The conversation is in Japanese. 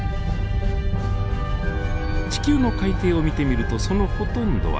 地球の海底を見てみるとそのほとんどは平ら。